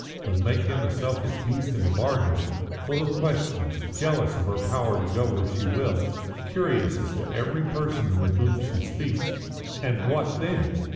But make him a selfish beast into the bargain, full of questions, jealous of her power to go where she will, curious as to every person with whom she speaks and what then?